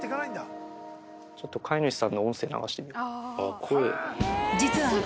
ちょっと飼い主さんの音声、流してみよ。